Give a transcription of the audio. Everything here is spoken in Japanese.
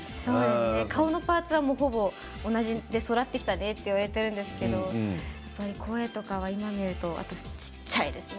顔のパーツはほとんど今と同じで育ってきたねと言われているんですけれど声とか今、見るとね。